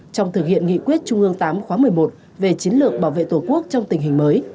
trong thực hiện nghị quyết trung ương tám khóa một mươi một về chiến lược bảo vệ tổ quốc trong tình hình mới